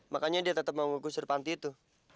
makanya dia tetap mau gusur panti itu